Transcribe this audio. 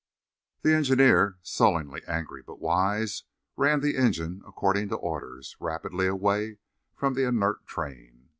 The engineer, sullenly angry but wise, ran the engine, according to orders, rapidly away from the inert train.